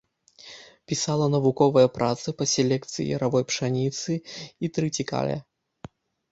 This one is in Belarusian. Пісала навуковыя працы па селекцыі яравой пшаніцы і трыцікале.